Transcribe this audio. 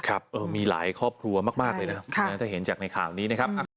ครับมีหลายครอบครัวมากเลยนะถ้าเห็นจากในข่าวนี้นะครับ